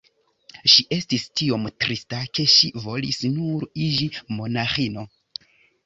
Ŝi estis tiom trista ke ŝi volis nur iĝi monaĥino.